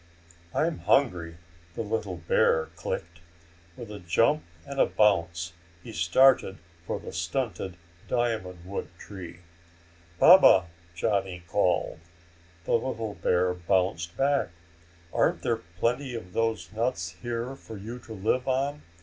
"I'm hungry," the little bear clicked. With a jump and a bounce he started for the stunted diamond wood tree. "Baba," Johnny called. The little bear bounced back. "Aren't there plenty of those nuts here for you to live on?